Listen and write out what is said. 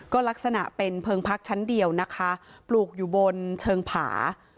ก็ลักษณะเป็นเพลิงพักชั้นเดียวนะคะปลูกอยู่บนเชิงผา